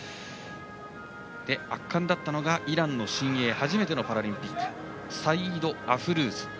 圧巻だったのがイランの新鋭初めてのパラリンピックサイード・アフルーズ。